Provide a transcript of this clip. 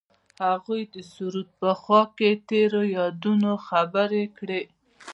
هغوی د سرود په خوا کې تیرو یادونو خبرې کړې.